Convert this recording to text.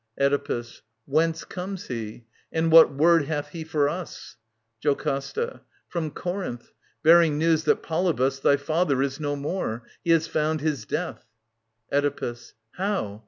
Oedipus. Whence comes he ? And what word hath he for us ? JOCASTA. From Corinth ; bearing news that Polybus Thy father is no more. He has found his death. Oedipus. How